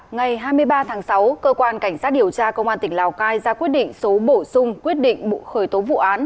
ngày hai mươi ba tháng sáu cơ quan cảnh sát điều tra công an tỉnh lào cai ra quyết định số bổ sung quyết định khởi tố vụ án